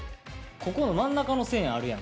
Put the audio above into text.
ここの真ん中の線あるやんか。